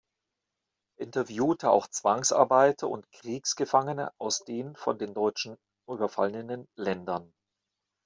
Er interviewte auch Zwangsarbeiter und Kriegsgefangene aus den von den Deutschen überfallenen Ländern.